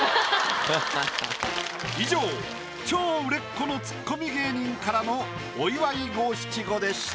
以上超売れっ子のツッコミ芸人からのお祝い５・７・５でした。